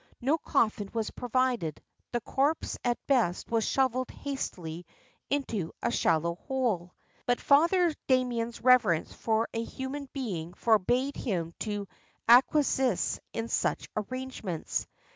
No coffin was provided; the corpse at best was shoveled hastily into a shallow hole. But Father Damien's reverence for a human being forbade him to acquiesce in such arrangements.